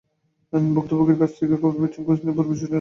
ভুক্তভোগীদের কাছ থেকে খবর পেয়ে খোঁজ নিয়ে পুরো বিষয়টি জানতে পেরেছি।